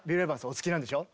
お好きなんでしょ？